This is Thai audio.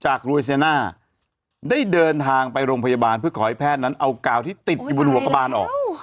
รวยเซียน่าได้เดินทางไปโรงพยาบาลเพื่อขอให้แพทย์นั้นเอากาวที่ติดอยู่บนหัวกระบานออก